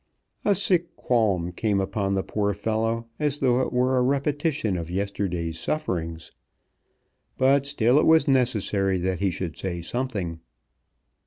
A sick qualm came upon the poor fellow as though it were a repetition of yesterday's sufferings. But still it was necessary that he should say something.